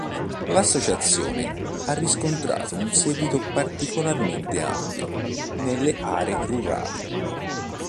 L'associazione ha riscontrato un seguito particolarmente ampio nelle aree rurali.